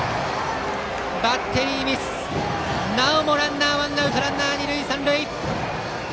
バッテリーミスで、なおもランナー、ワンアウト二塁三塁。